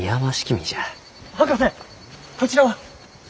博士こちらは？